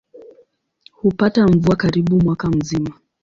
Hupata mvua karibu mwaka mzima.